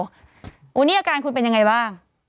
วันนี้อาการคุณเป็นยังไงบ้าง